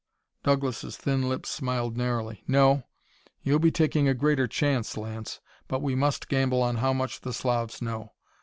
Douglas' thin lips smiled narrowly. "No. You'll be taking a greater chance, Lance, but we must gamble on how much the Slavs know.